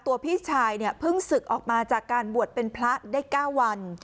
พี่ชายเนี่ยเพิ่งศึกออกมาจากการบวชเป็นพระได้๙วัน